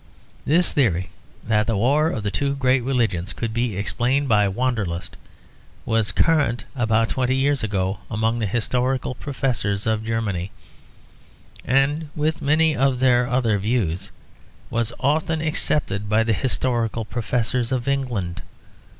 This theory that the war of the two great religions could be explained by "Wanderlust" was current about twenty years ago among the historical professors of Germany, and with many of their other views, was often accepted by the historical professors of England.